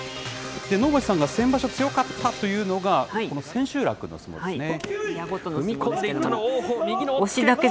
能町さんが先場所強かったというのが、この千秋楽の相撲ですね。